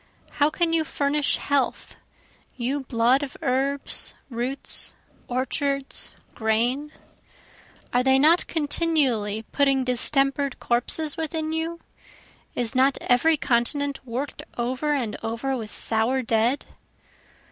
How can you furnish health you blood of herbs, roots, orchards, grain? Are they not continually putting distemper'd corpses within you? Is not every continent work'd over and over with sour dead?